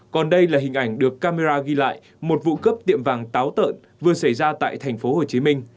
còn đây là hình ảnh được camera ghi lại một vụ cướp tiệm vàng táo tợn vừa xảy ra tại tp hcm